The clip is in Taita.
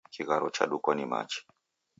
Kigharo chadukwa ni machi